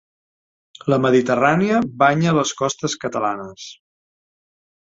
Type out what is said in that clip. La Mediterrània banya les costes catalanes.